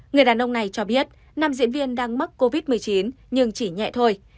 người đàn ông này cho biết nam diễn viên đang mắc covid một mươi chín nhưng chỉ nhẹ thôi